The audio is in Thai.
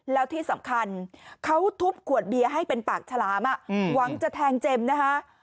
แล้วที่สำคัญเขาทุบขวดเบียร์ให้เป็นปากฉลามหวังจะแทงเจมส์นะคะ